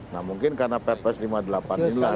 nah mungkin karena prps lima puluh delapan ini lah